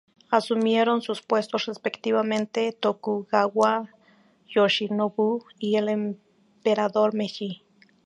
Asumieron sus puestos respectivamente Tokugawa Yoshinobu y el emperador Meiji.